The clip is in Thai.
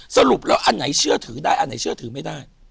สรุปแล้วอันไหนเชื่อถือได้อันไหนเชื่อถือไม่ได้